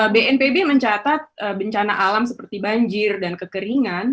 bnpb mencatat bencana alam seperti banjir dan kekeringan